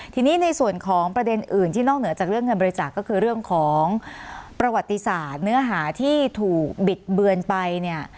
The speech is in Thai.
ทีนี้ในส่วนของประเด็นอื่นที่นอกเหนือจากเรื่องเงินบริจาคก็คือเรื่องของประวัติศาสตร์เนื้อหาที่ถูกบิดเบือนไปเนี่ย